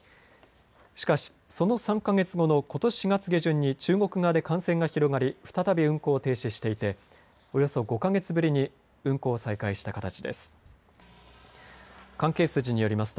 しかしその３か月後のことし４月下旬に中国側で感染が広がり再び運行を停止していておよそ５か月ぶりに運行を再開した形です。